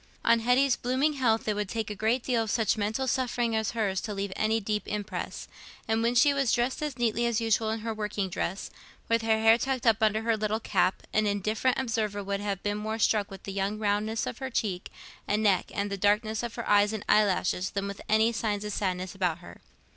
On Hetty's blooming health it would take a great deal of such mental suffering as hers to leave any deep impress; and when she was dressed as neatly as usual in her working dress, with her hair tucked up under her little cap, an indifferent observer would have been more struck with the young roundness of her cheek and neck and the darkness of her eyes and eyelashes than with any signs of sadness about her.